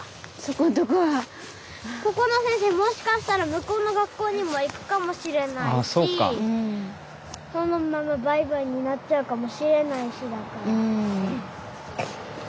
ここの先生もしかしたら向こうの学校にも行くかもしれないしそのままバイバイになっちゃうかもしれないしだから。